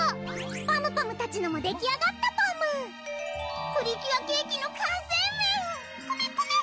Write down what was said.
パムパムたちのもできあがったパムプリキュアケーキの完成メンコメコメ！